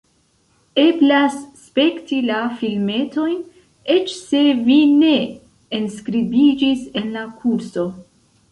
Eblas spekti la filmetojn, eĉ se vi ne enskribiĝis en la kurso.